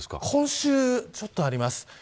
今週ちょっとあります。